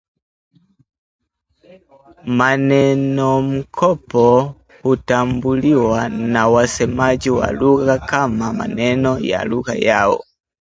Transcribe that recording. Manenomkopo hutambuliwa na wasemaji wa lugha kama maneno ya lugha yao